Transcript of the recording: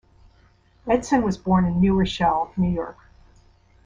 Edson was born in New Rochelle, New York.